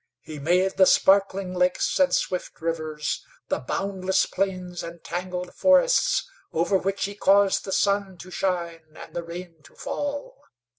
He made the sparkling lakes and swift rivers, the boundless plains and tangled forests, over which He caused the sun to shine and the rain to fall.